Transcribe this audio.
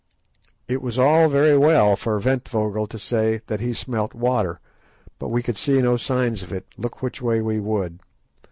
It was all very well for Ventvögel to say that he smelt water, but we could see no signs of it, look which way we would.